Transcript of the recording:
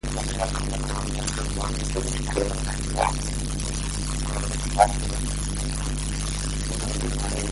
milioni tatu zilizotengwa kwa ajili ya Kodi ya Maendeleo ya Petroli ili kuimarisha bei na kumaliza mgogoro huo